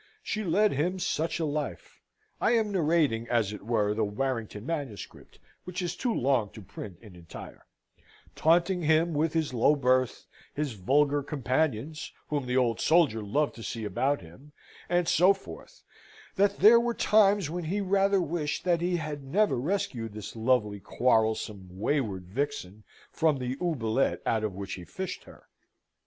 She led him such a life I am narrating as it were the Warrington manuscript, which is too long to print in entire taunting him with his low birth, his vulgar companions, whom the old soldier loved to see about him, and so forth that there were times when he rather wished that he had never rescued this lovely, quarrelsome, wayward vixen from the oubliette out of which he fished her.